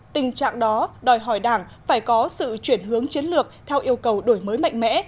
tình trạng đó đòi hỏi đảng phải có sự chuyển hướng chiến lược theo yêu cầu đổi mới mạnh mẽ